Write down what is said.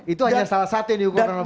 itu hanya salah satu yang dihukum